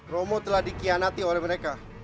romo telah dikhianati oleh mereka